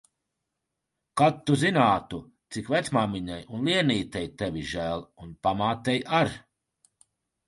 Kad tu zinātu, cik vecmāmiņai un Lienītei tevis žēl. Un pamātei ar.